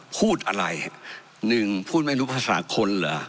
พูดอะไรหนึ่งพูดไม่รู้ภาษาคนเหรอ